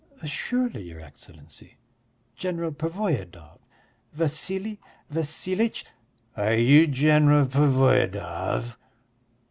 "Surely, your Excellency! General Pervoyedov, Vassili Vassilitch...." "Are you General Pervoyedov?"